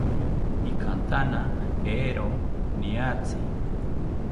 Ikantana eero niatzi